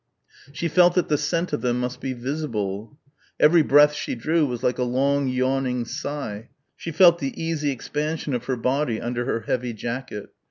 She felt that the scent of them must be visible. Every breath she drew was like a long yawning sigh. She felt the easy expansion of her body under her heavy jacket....